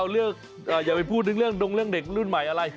เอ้าอย่าไปพูดเรื่องเด็กรุ่นใหม่อะไร